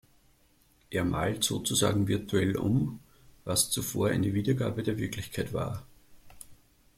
Er malt sozusagen virtuell um, was zuvor eine Wiedergabe der Wirklichkeit war.